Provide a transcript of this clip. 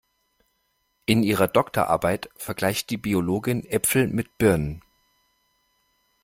In ihrer Doktorarbeit vergleicht die Biologin Äpfel mit Birnen.